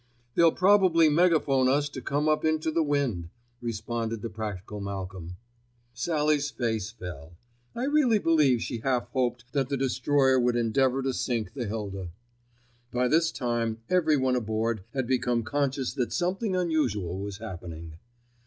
"They'll probably megaphone us to come up into the wind," responded the practical Malcolm. Sallie's face fell. I really believe she half hoped that the destroyer would endeavour to sink the Hilda. By this time everyone aboard had become conscious that something unusual was happening.